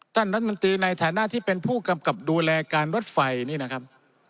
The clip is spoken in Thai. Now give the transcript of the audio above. ท่านรัฐมนตรีในฐานะที่เป็นผู้กำกับดูแลการรถไฟนี่นะครับ